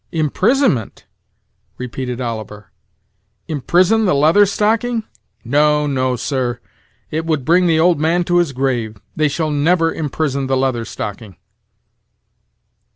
"Imprisonment!" repeated Oliver; "imprison the Leather Stocking! no, no, sir; it would bring the old man to his grave. They shall never imprison the Leather Stocking."